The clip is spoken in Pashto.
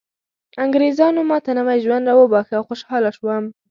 انګریزانو ماته نوی ژوند راوباښه او خوشحاله شوم